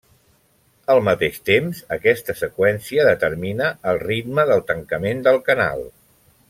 Al mateix temps aquesta seqüència determina el ritme del tancament del canal.